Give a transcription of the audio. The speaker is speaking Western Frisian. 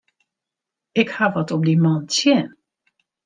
Ik haw wat op dy man tsjin.